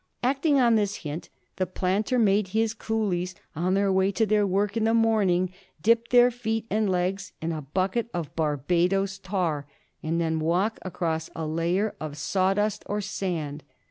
Acting on this hint the planter made his coolies, on their way to their work in the morning, dip their feet and legs in a bucket of Barbadoes tar and then walk across a layer of sawdust or sand.